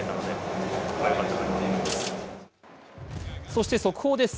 そして速報です。